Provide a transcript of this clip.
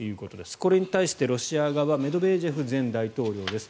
これに対してロシア側メドベージェフ前大統領です。